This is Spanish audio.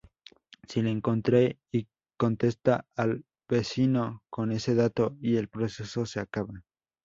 Si la encuentra, contesta al vecino con ese dato y el proceso se acaba.